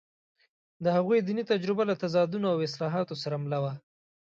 د هغوی دیني تجربه له تضادونو او اصلاحاتو سره مله وه.